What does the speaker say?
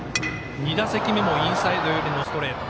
２打席目もインサイド寄りのストレート。